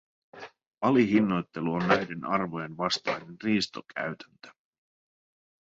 Alihinnoittelu on näiden arvojen vastainen riistokäytäntö.